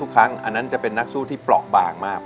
กิเนียม